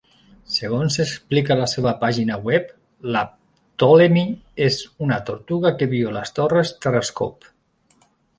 Segons explica la seva pàgina web, la Ptolemy és una tortuga que viu a les torres Terrascope.